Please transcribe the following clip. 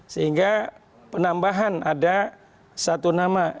sehingga penambahan ada satu nama